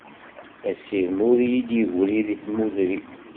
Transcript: Asirem ur yi-d-yegri di tmudri.